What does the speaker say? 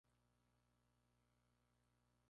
Se encuentra en el Irán, Afganistán y Pakistán.